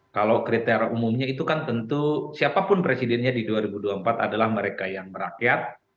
kalau kriteria umumnya itu kan tentu siapapun presidennya di dua ribu dua puluh empat adalah mereka yang merakyat